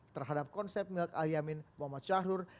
terhadap konsep milk al yamin muhammad syahrur